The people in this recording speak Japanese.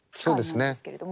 そうですね。